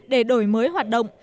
để đổi mới hoạt động